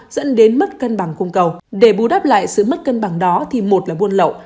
dẫn đến mất cân bằng cung cầu để bù đáp lại sự mất cân bằng đó thì một là buôn lậu